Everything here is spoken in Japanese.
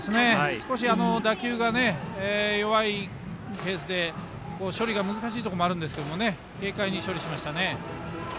少し打球が弱いペースで処理が難しいところもあるんですけど軽快に処理しましたね。